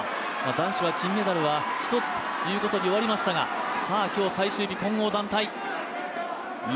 男子は金メダルは１つということに終わりましたが、今日、最終日、混合団体。